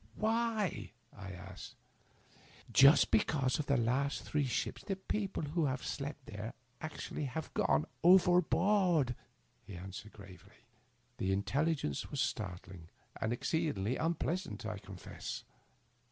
Why?" I asked, " Just because on the last three trips the people who have slept there actually have gone overboard," he an swered, gravely. The intelligence was startling and exceedingly un pleasant, I confess.